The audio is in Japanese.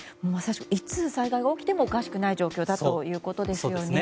いつ災害が起きてもおかしくない状況だということですよね。